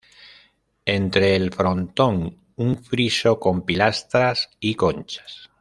Entre el frontón, un friso con pilastras y conchas.